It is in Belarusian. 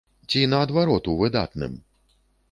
Ці, наадварот, у выдатным?